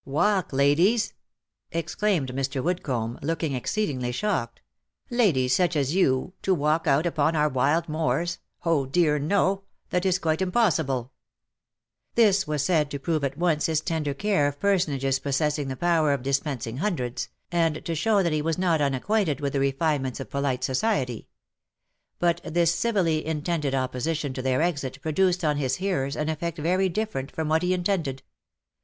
" Walk, ladies !" exclaimed Mr. Woodcomb, looking exceedingly shocked, " ladies such as you to walk out upon our wild moors? Oh dear no ! That is quite impossible !" This was said to prove at once his tender care of personages possess ing the power of dispensing hundreds, and to show that he was not unacquainted with the refinements of polite society ; but this civilly in tended opposition to their exit produced on his hearers an effect very different from what he intended.